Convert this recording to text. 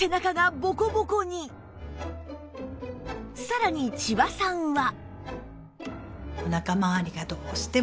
さらにちばさんは